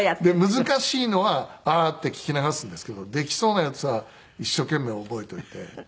難しいのは「ああー」って聞き流すんですけどできそうなやつは一生懸命覚えといて。